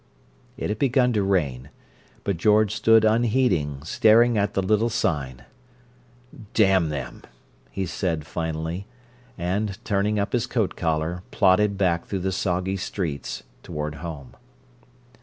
It had begun to rain, but George stood unheeding, staring at the little sign. "Damn them!" he said finally, and, turning up his coat collar, plodded back through the soggy streets toward "home."